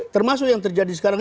termasuk yang terjadi sekarang